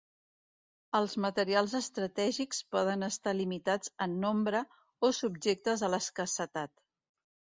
Els materials estratègics poden estar limitats en nombre o subjectes a l'escassetat.